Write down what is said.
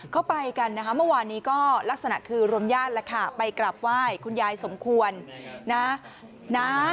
ไปกันนะคะเมื่อวานนี้ก็ลักษณะคือรวมญาติแล้วค่ะไปกลับไหว้คุณยายสมควรนะ